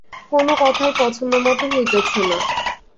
কোনো কথাই পছন্দমতো হইতেছে না।